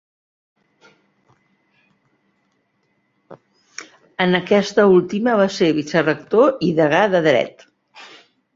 En aquesta última va ser vicerector i degà de Dret.